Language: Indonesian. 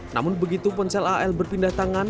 namun begitu ponsel al berpindah tangan